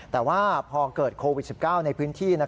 แต่ว่าพอเกิดโควิด๑๙ในพื้นที่